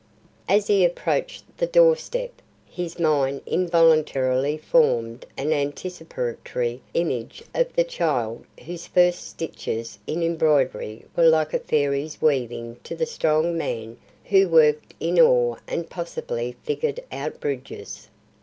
As he approached the doorstep, his mind involuntarily formed an anticipatory image of the child whose first stitches in embroidery were like a fairy's weaving to the strong man who worked in ore and possibly figured out bridges.